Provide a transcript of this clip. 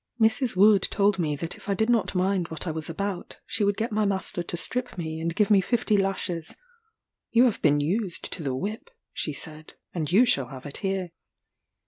Mrs. Wood told me that if I did not mind what I was about, she would get my master to strip me and give me fifty lashes: "You have been used to the whip," she said, "and you shall have it here."